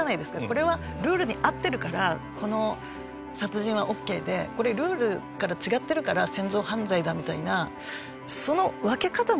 これはルールに合ってるからこの殺人はオーケーでこれルールから違ってるから戦争犯罪だみたいな。